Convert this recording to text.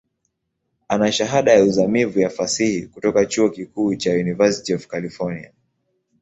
Ana Shahada ya uzamivu ya Fasihi kutoka chuo kikuu cha University of California.